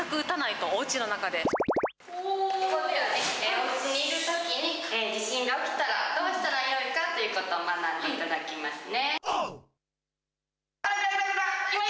おうちにいるときに地震が起きたら、どうしたらよいかということを、学んでいただきますね。